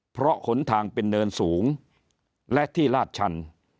เพราะหนทางเป็นเนินสูงและที่ลาดชัน